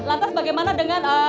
lantas bagaimana dengan